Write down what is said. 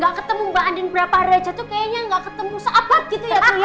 gak ketemu mbak andin berapa hari aja tuh kayaknya gak ketemu seabad gitu ya tuh ya